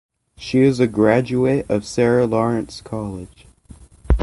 She is a graduate of Sarah Lawrence College.